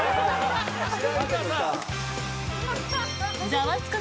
「ザワつく！